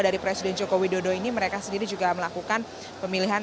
dari presiden joko widodo ini mereka sendiri juga melakukan pemilihan